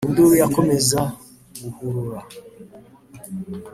Induru yakomeza guhurura